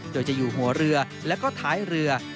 โดยจะอยู่หัวเรือและก็ท้ายเรือ